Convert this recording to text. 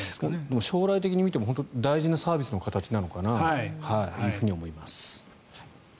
でも、将来的に見ても大事なサービスの形なのかなというふうに思います。